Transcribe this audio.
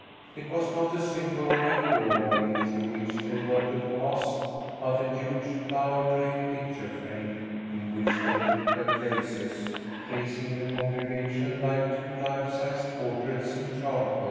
It was not a symbolical doorway through which they were to pass, but a huge flower draped picture frame in which they took their places, facing the congregation like two life sized portraits in charcoal.